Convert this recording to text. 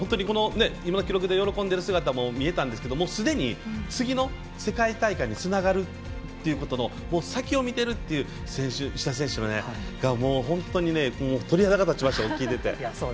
今の記録で喜んでいる姿もありましたけどすでに次の大会につながるというふうに先を見てるっていう石田選手が本当に鳥肌が立ちました、聞いてて。